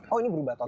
oh ini berubah total